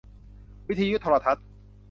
วิทยุโทรทัศน์